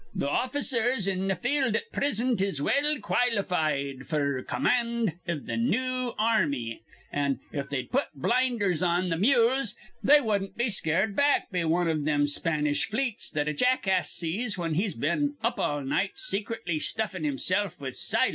Th' officers in th' field at prisint is well qualified f'r command iv th' new ar rmy; an', if they'd put blinders on th' mules, they wudden't be scared back be wan iv thim Spanish fleets that a jackass sees whin he's been up all night, secretly stuffing himsilf with silo.